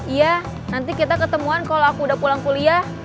iya nanti kita ketemuan kalau aku udah pulang kuliah